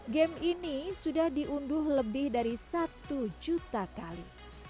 game ini sudah diunduh lebih dari satu juta kali